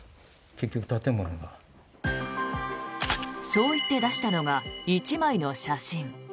そう言って出したのが１枚の写真。